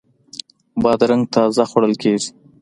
بادرنګ تازه خوړل کیږي.